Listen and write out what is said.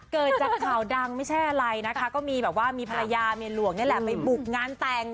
เกิดจากข่าวดังไม่ใช่อะไรนะคะก็มีแบบว่ามีภรรยาเมียหลวงนี่แหละไปบุกงานแต่ง